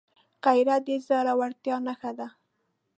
غیرت د زړورتیا نښه ده